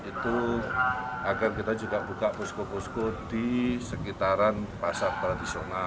itu agar kita juga buka posko posko di sekitaran pasar tradisional